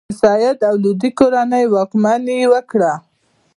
د سید او لودي کورنۍ واکمني وکړه.